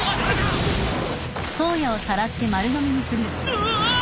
うわ！